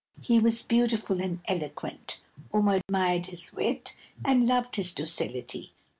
He was beautiful and eloquent; Omar admired his wit, and loved his docility.